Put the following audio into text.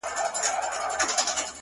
په ورځ کي لس وارې له خپلې حافظې وځم;